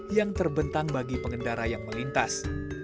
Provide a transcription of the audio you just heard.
yang terbentang bagi pengendara yang melintas